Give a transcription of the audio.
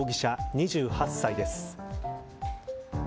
２８歳です。